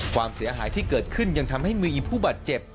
ความเสียหายที่เกิดขึ้นยังทำให้มีผู้บาดเจ็บ